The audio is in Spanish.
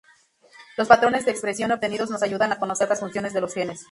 Los patrones de expresión obtenidos nos ayudan a conocer las funciones de los genes.